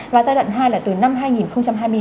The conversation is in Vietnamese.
và giai đoạn hai là từ năm hai nghìn hai mươi hai